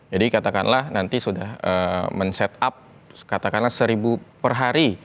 jadi katakanlah nanti sudah men setup katakanlah seribu per hari